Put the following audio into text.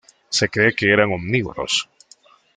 Se cree que eran omnívoros.